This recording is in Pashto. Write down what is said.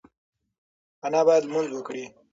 انا باید لمونځ وکړي.